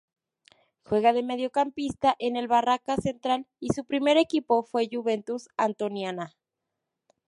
Juega de mediocampista en el Barracas Central y su primer equipo fue Juventud Antoniana.